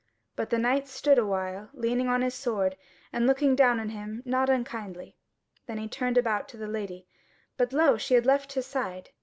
But the Knight stood a while leaning on his sword, and looking down on him not unkindly. Then he turned about to the Lady, but lo! she had left his side.